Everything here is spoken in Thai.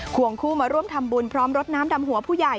วงคู่มาร่วมทำบุญพร้อมรดน้ำดำหัวผู้ใหญ่